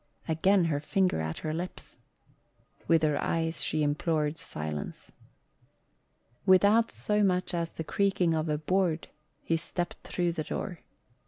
Again her finger at her lips! With her eyes she implored silence. Without so much as the creaking of a board he stepped through the door.